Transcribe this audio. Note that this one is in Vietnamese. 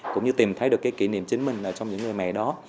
cũng như tìm thấy được kỷ niệm chính mình trong những người mẹ đó